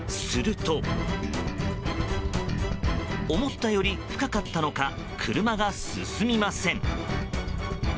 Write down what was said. すると、思ったより深かったのか車が進みません。